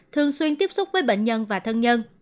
thường xuyên tiếp xúc với bệnh nhân và thân nhân